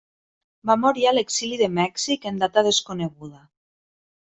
Va morir a l'exili de Mèxic en data desconeguda.